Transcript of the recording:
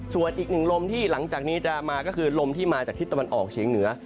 ส่วนอีกหนึ่งลมที่หลังจากนี้จะมาก็คือลมที่มาจากทิศตะวันออกเฉียงเหนือ